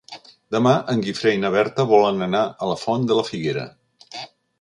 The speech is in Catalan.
Demà en Guifré i na Berta volen anar a la Font de la Figuera.